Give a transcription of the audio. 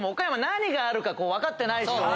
何があるか分かってない。